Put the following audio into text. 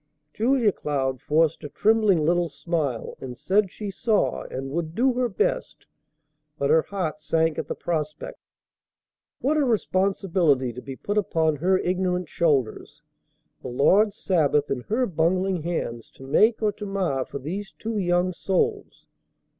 Julia Cloud forced a trembling little smile, and said she saw, and would do her best; but her heart sank at the prospect. What a responsibility to be put upon her ignorant shoulders. The Lord's Sabbath in her bungling hands to make or to mar for these two young souls!